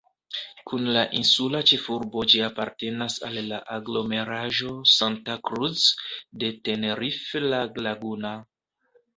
Kun la insula ĉefurbo ĝi apartenas al la aglomeraĵo Santa Cruz de Tenerife-La Laguna.